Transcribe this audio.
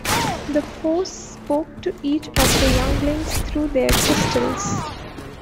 The Force spoke to each of the younglings through their crystals.